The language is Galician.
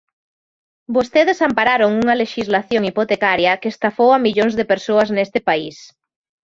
Vostedes ampararon unha lexislación hipotecaria que estafou a millóns de persoas neste país.